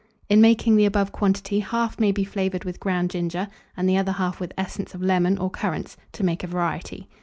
In making the above quantity, half may be flavoured with ground ginger and the other half with essence of lemon or currants, to make a variety.